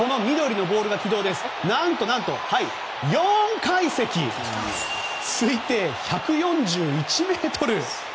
何と何と、４階席！推定１４１ｍ！